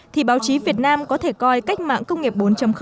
thì báo chí việt nam có thể coi cách mạng công nghiệp bốn